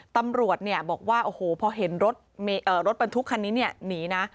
ตำรวจบอกว่าโอ้โหพอเห็นรถบรรทุกคันนี้หนีนะ